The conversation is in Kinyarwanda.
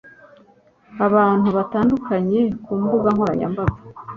abantu batandukanye ku mbuga nkoranyambaga